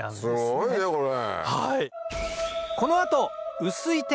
すごいねこれ！